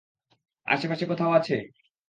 আশেপাশে কোথাও আছে।